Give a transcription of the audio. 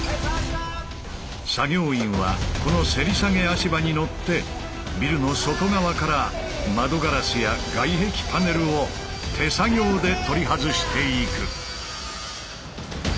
作業員はこのせり下げ足場に乗ってビルの外側から窓ガラスや外壁パネルを手作業で取り外していく。